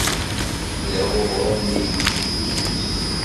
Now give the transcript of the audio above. Yelha weɣṛum-nni yetteftutus.